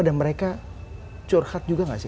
dan mereka curhat juga nggak sih